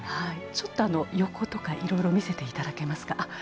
ちょっと横とかいろいろ見せて頂けますか。